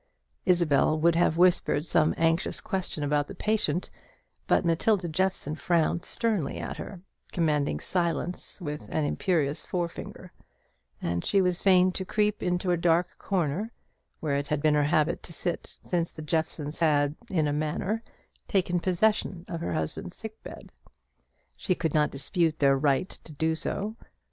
Isabel would have whispered some anxious question about the patient; but Matilda Jeffson frowned sternly at her, commanding silence with an imperious forefinger; and she was fain to creep into a dark corner, where it had been her habit to sit since the Jeffsons had, in a manner, taken possession of her husband's sick bed. She could not dispute their right to do so.